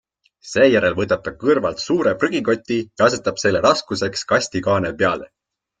Seejärel võtab ta kõrvalt suure prügikoti ja asetab selle raskuseks kasti kaane peale.